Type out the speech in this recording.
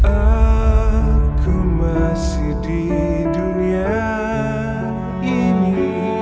aku masih di dunia ini